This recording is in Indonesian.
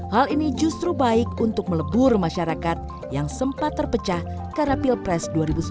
hal ini justru baik untuk melebur masyarakat yang sempat terpecah karena pilpres dua ribu sembilan belas